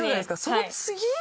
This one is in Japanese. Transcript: その次？